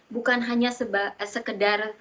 bukan hanya sekedar